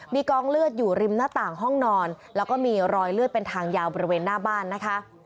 มีกองเลือดอยู่ริมหน้าต่างห้องนอนแล้วก็มีรอยเลือดเป็นทางยาวบริเวณหน้าบ้านนะคะ